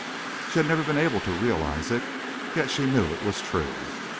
She had never been able to realize it, yet she knew it was true.